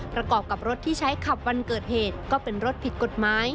ประกอบกับรถที่ใช้ขับวันเกิดเหตุก็เป็นรถผิดกฎหมาย